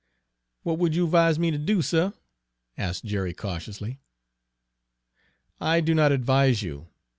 "What would you 'vise me ter do, suh?" asked Jerry cautiously. "I do not advise you.